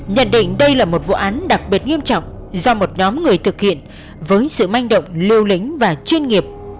nhận định đây là một vụ án đặc biệt nghiêm trọng do một nhóm người thực hiện với sự manh động lưu lĩnh và chuyên nghiệp